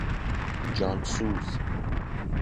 جان سوز